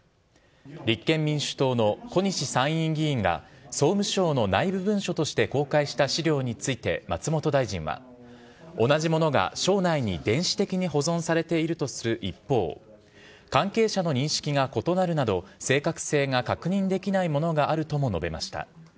立憲民主党の小西参議院議員が総務省の内部文書として公開した資料について、松本大臣は、同じものが省内に電子的に保存されているとする一方、関係者の認識が異なるなど、正確性が確認できないものがあるとも述べました。